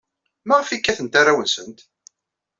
Maɣef ay kkatent arraw-nsent?